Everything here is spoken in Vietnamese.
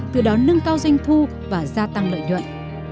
từ đó nâng cao doanh thu và gia tăng lợi nhuận